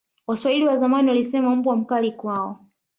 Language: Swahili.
waswahili wazamani walisema mbwa mkali kwao